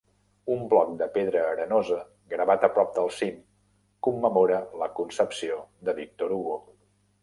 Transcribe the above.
Un bloc de pedra arenosa gravat a prop del cim commemora la concepció de Victor Hugo.